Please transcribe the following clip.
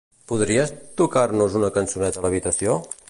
Podries tocar-nos una cançoneta a l'habitació?